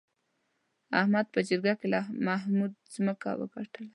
احمد په جرګه کې له محمود ځمکه وګټله.